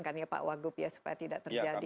kan ya pak wagup ya supaya tidak terjadi